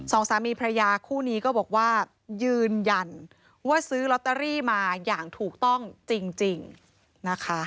สองสามีพระยาคู่นี้ก็บอกว่ายืนยันว่าซื้อลอตเตอรี่มาอย่างถูกต้องจริงนะคะ